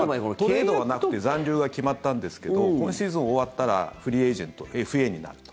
トレードがなくて残留が決まったんですけど今シーズン終わったらフリーエージェントＦＡになると。